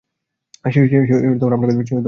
সে আপনার কথা শুনতে পাবে না।